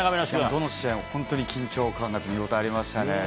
どの試合も本当に緊張感があって、見応えありましたね。